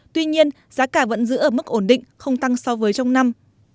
tuy nhiên giá cả vẫn giữ ở mức ổn định không tăng so với trong năm